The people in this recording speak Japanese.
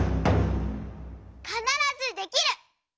「かならずできる！」。